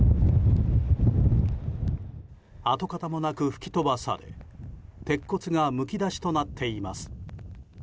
跡形もなく吹き飛ばされ鉄骨が剥き出しとなっています。